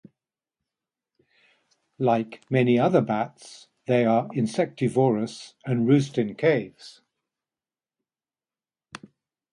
Like many other bats, they are insectivorous, and roost in caves.